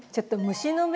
虫の目？